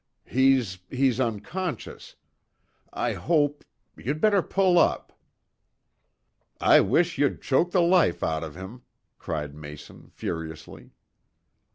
"He's he's unconscious. I hope You'd better pull up." "I wish you'd choke the life out of him," cried Mason furiously.